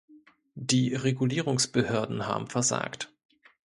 Die Regulierungsbehörden haben versagt.